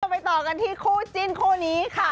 ไปต่อกันที่คู่จิ้นคู่นี้ค่ะ